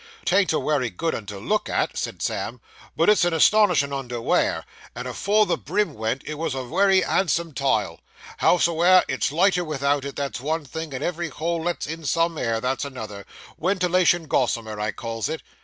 ''Tain't a wery good 'un to look at,' said Sam, 'but it's an astonishin' 'un to wear; and afore the brim went, it was a wery handsome tile. Hows'ever it's lighter without it, that's one thing, and every hole lets in some air, that's another wentilation gossamer I calls it.